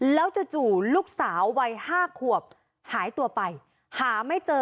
แล้วจู่ลูกสาววัย๕ขวบหายตัวไปหาไม่เจอ